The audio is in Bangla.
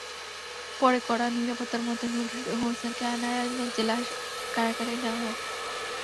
পরে কড়া নিরাপত্তার মধ্যে নূর হোসেনকে নারায়ণগঞ্জ জেলা কারাগারে নেওয়া হয়।